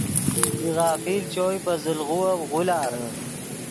بی غافل چوئے پے زل غووف غولار